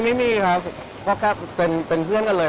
ไม่มีครับก็แค่เป็นเพื่อนกันเลย